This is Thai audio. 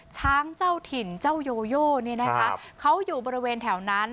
เจ้าถิ่นเจ้าโยโยเนี่ยนะคะเขาอยู่บริเวณแถวนั้น